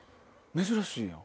珍しいやん。